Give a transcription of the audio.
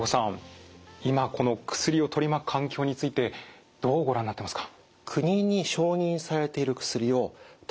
今この薬を取り巻く環境についてどうご覧になってますか？